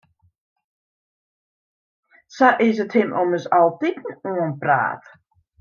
Sa is it him ommers altiten oanpraat.